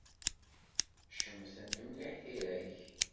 Cemtent mliḥ tira-k.